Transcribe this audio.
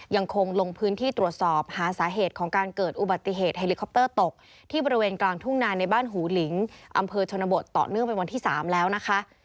ยังคงลงพื้นที่ตรวจสอบหาสาเหตุของการเกิดอุบัติเหตุเฮลิคอปเตอร์ตกที่บริเวณกลางทุ่งนานในบ้านหูหลิงอำเภอชนบทต่อเนื่องเป็นวันที่๓แล้วนะคะ